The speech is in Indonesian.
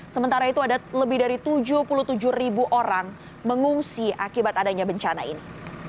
sementara itu ada lebih dari tujuh puluh tujuh ribu orang mengungsi akibat adanya bencana ini